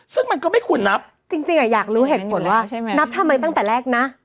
ซึ่งมันก็ไม่ควรนับจริงอยากรู้เหตุผลว่านับทำไมตั้งแต่แรกนะ